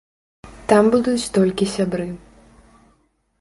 Там будуць толькі сябры.